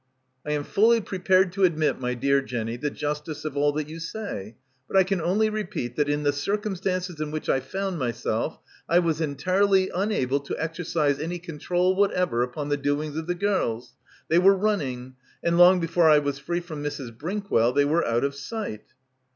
"I am fully prepared to admit, my dear Jenny, the justice of all that you say. But I can only repeat that in the circumstances in which I found myself I was entirely unable to exercise any con trol whatever upon the doings of the gels. They were running; and long before I was free from Mrs. Brinkwell they were out of sight."